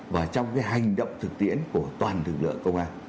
và trong cái hành động thực tiễn của toàn lực lượng công an